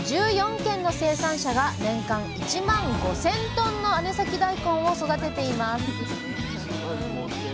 １４軒の生産者が年間１万５，０００ｔの姉崎だいこんを育てています